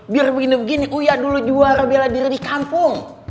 biar begini begini oh ya dulu juara bela diri di kampung